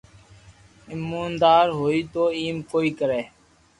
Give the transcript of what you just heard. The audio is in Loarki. ايموندار ھوئي تو ايم ڪوئي ڪري